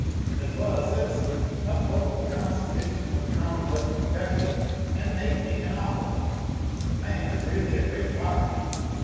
As loyal citizens, uphole the constitution of the commonwealth of Kentucky an' make me an offah; the man is really a great bargain.